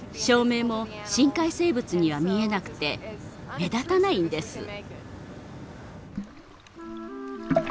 照明も深海生物には見えなくて目立たないんです。